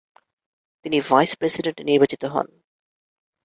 তিনি vice president নির্বাচিত হন।